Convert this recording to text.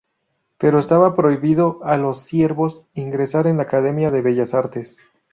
Pero estaba prohibido a los siervos ingresar en la Academia de Bellas Artes.